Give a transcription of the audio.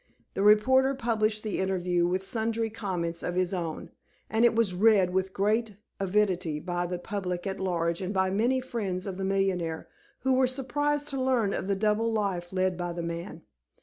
The reporter published the interview with sundry comments of his own, and it was read with great avidity by the public at large and by the many friends of the millionaire, who were surprised to learn of the double life led by the man.